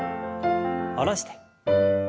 下ろして。